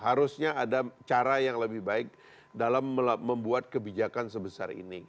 harusnya ada cara yang lebih baik dalam membuat kebijakan sebesar ini